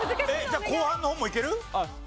じゃあ後半の方もいける？